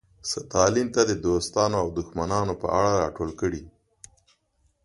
ستالین ته د دوستانو او دښمنانو په اړه راټول کړي.